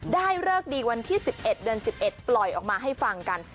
เลิกดีวันที่๑๑เดือน๑๑ปล่อยออกมาให้ฟังกัน